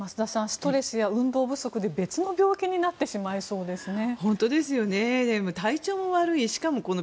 ストレスや運動不足で別の病気になってしまいそうですね。